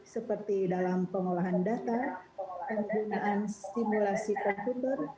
seperti dalam pengolahan data penggunaan simulasi komputer